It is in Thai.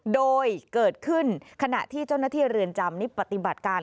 โดยเกิดขึ้นขณะที่เจ้าหน้าที่เรือนจำนี่ปฏิบัติการ